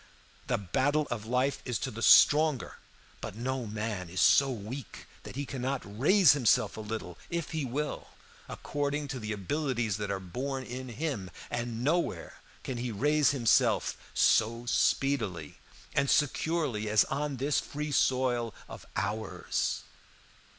The battle of life is to the stronger, but no man is so weak that he cannot raise himself a little if he will, according to the abilities that are born in him; and nowhere can he raise himself so speedily and securely as on this free soil of ours.